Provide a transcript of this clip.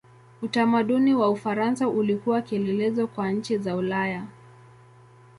Utamaduni wa Ufaransa ulikuwa kielelezo kwa nchi za Ulaya.